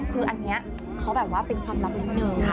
คืออันนี้เขาแบบว่าเป็นความลับนิดนึง